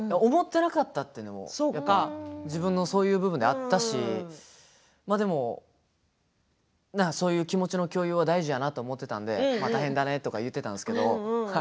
思っていなかったというのも自分のそういう部分であったしでもそういう気持ちの共有は大事だなと思っていたので大変だね、とか言っていたんですけれども。